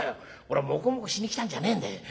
俺はもこもこしに来たんじゃねえんだよ。